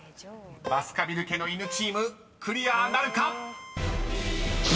［バスカヴィル家の犬チームクリアなるか⁉］